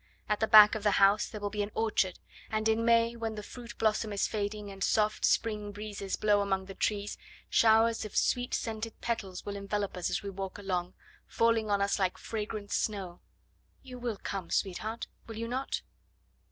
At the back of the house there will be an orchard, and in May, when the fruit blossom is fading and soft spring breezes blow among the trees, showers of sweet scented petals will envelop us as we walk along, falling on us like fragrant snow. You will come, sweetheart, will you not?"